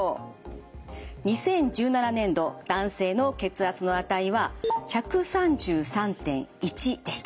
２０１７年度男性の血圧の値は１３３．１でした。